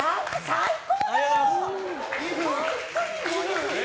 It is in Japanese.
最高！